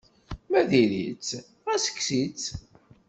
Ma diri-tt, ɣas kkes-itt.